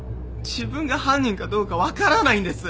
自分が犯人かどうか分からないんです！